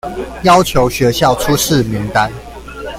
要求學校出示名單